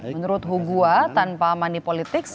menurut hugua tanpa money politics